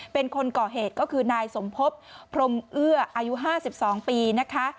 เป็นคนก่อเหตุก็คือนายสมพบพรมเอื้ออายุ๕๒ปีนะคะ